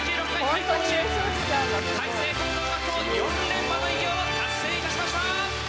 甲子園開成高等学校４連覇の偉業を達成いたしました！